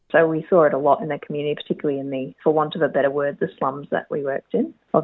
jadi kita melihatnya banyak di komunitas mereka terutama di untuk menggunakan kata kata yang lebih baik